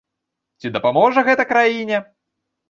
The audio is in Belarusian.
Ці дапаможа гэта краіне?